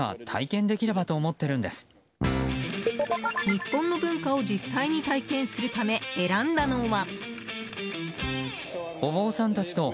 日本の文化を実際に体験するため選んだのは。